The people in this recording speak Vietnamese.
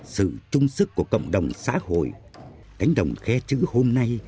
sự trung sức của cộng đồng xã hội cánh đồng khe chữ hôm nay